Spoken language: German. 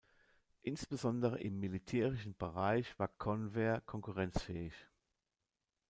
Insbesondere im militärischen Bereich war Convair konkurrenzfähig.